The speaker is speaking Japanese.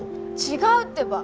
違うってば。